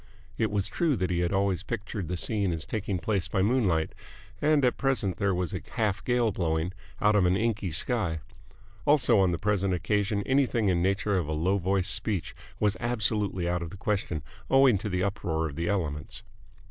It was true that he had always pictured the scene as taking place by moonlight and at present there was a half gale blowing, out of an inky sky; also on the present occasion anything in the nature of a low voiced speech was absolutely out of the question owing to the uproar of the elements.